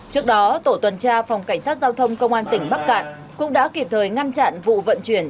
trước đó tổ tuần tra phòng cảnh sát giao thông công an tỉnh bắc cạn cũng đã kịp thời ngăn chặn vụ vận chuyển